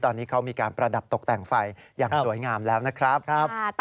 ตอนนี้เขามีการประดับตกแต่งไฟอย่างสวยงามแล้วนะครับ